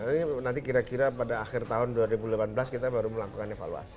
ini nanti kira kira pada akhir tahun dua ribu delapan belas kita baru melakukan evaluasi